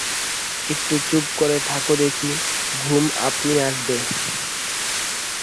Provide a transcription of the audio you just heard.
একটু চুপ করে থাকো দেখি, ঘুম আপনি আসবে।